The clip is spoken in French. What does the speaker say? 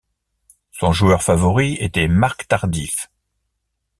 Son joueur favori était Marc Tardif.